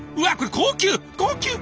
高級！